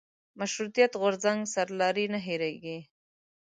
مشروطیت غورځنګ سرلاري نه هېرېږي.